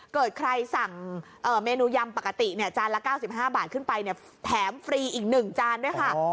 เกิดใครสั่งเมนูยำปกติจานละ๙๕บาทขึ้นไปแถมฟรีอีก๑จานด้วยค่ะ